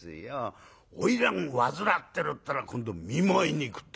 『花魁患ってる』っ言ったら今度『見舞いに行く』って。